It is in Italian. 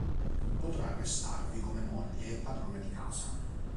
Potrà restarvi come moglie e padrona di casa.